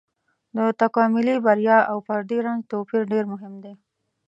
د تکاملي بریا او فردي رنځ توپير ډېر مهم دی.